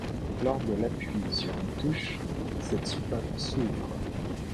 Lors de l'appui sur une touche, cette soupape s'ouvre.